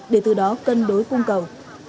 để từ đó cân đối cung cầu